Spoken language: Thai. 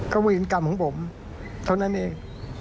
ก็เวรกรรมของผมเท่านั้นเอง